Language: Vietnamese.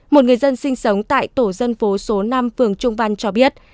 một người dân sinh sống tại tổ dân phố số năm phường trung văn cho biết